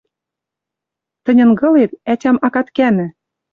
Тӹнь ынгылет, ӓтям акат кӓны.